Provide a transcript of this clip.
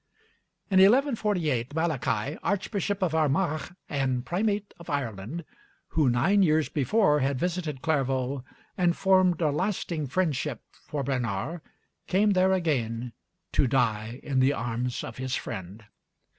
In 1148 Malachy, Archbishop of Armagh and Primate of Ireland, who nine years before had visited Clairvaux and formed a lasting friendship for Bernard, came there again to die in the arms of his friend.